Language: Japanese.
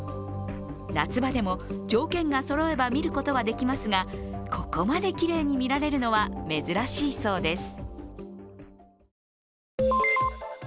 夏場でも条件がそろえば見ることはできますがここまできれいに見られるのは珍しいそうです。